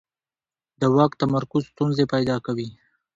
د واک تمرکز ستونزې پیدا کوي